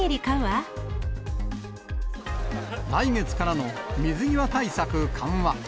来月からの水際対策緩和。